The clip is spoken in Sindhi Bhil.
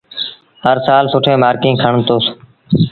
هر سآل سُٺين مآرڪيٚن کڻتوس